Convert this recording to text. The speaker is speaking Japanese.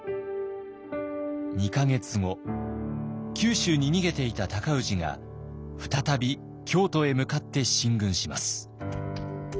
２か月後九州に逃げていた尊氏が再び京都へ向かって進軍します。